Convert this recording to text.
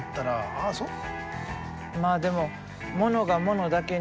ああそう。